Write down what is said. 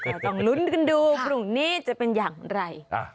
ก็ต้องลุ้นกันดูกลุ่มนี้จะเป็นอย่างไร